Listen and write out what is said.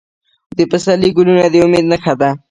د پسرلي ګلونه د امید نښه ده.